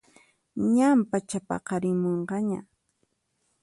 Ñan pachapaqarimunqaña